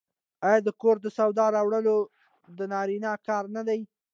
آیا د کور د سودا راوړل د نارینه کار نه دی؟